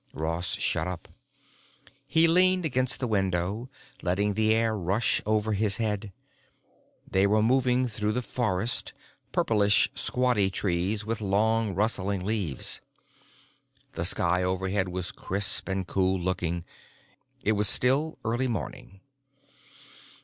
Ross shut up. He leaned against the window, letting the air rush over his head. They were moving through forest, purplish squatty trees with long, rustling leaves. The sky overhead was crisp and cool looking; it was still early morning.